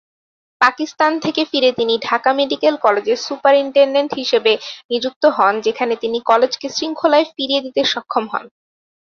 পাকিস্তান থেকে ফিরে তিনি ঢাকা মেডিকেল কলেজের সুপারিনটেনডেন্ট হিসাবে নিযুক্ত হন যেখানে তিনি কলেজকে শৃঙ্খলায় ফিরিয়ে দিতে সফল হন।